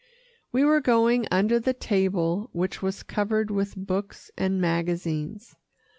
We were going under the table which was covered with books and magazines.